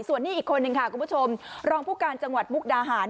ส่วนนี้อีกคนนึงค่ะคุณผู้ชมรองผู้การจังหวัดมุกดาหาร